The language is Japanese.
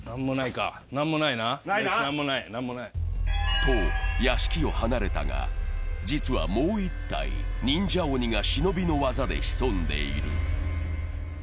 と屋敷を離れたが、実はもう１体、忍者鬼が忍びの技で潜んでいる。